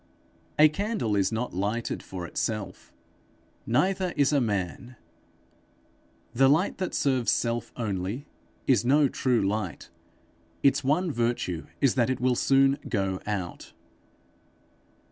A candle is not lighted for itself; neither is a man. The light that serves self only, is no true light; its one virtue is that it will soon go out.